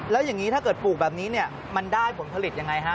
แล้วอย่างนี้ถ้าเกิดปลูกแบบนี้เนี่ยมันได้ผลผลิตยังไงฮะ